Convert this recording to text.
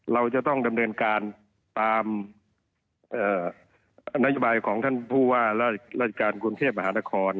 เราจะต้องดำเนินการตามนโยบายของท่านผู้ว่าราชการกรุงเทพมหานคร